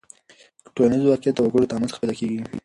ټولنیز واقعیت د وګړو له تعامل څخه پیدا کېږي.